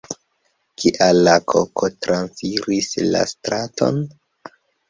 Kial la koko transiris la straton?